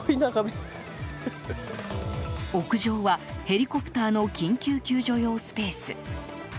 屋上は、ヘリコプターの緊急救助用スペース。